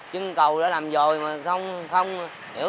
chứ cầu đã làm rồi mà không hiểu